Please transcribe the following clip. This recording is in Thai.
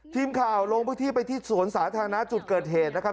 ทีมข่าวลงพื้นที่ไปที่สวนสาธารณะจุดเกิดเหตุนะครับ